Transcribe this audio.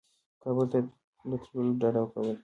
کابل ته له تللو ډده کوله.